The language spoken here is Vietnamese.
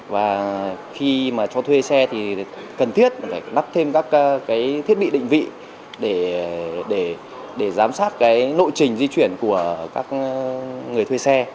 và khi mà cho thuê xe thì cần thiết phải lắp thêm các thiết bị định vị để giám sát cái nội trình di chuyển của các người thuê xe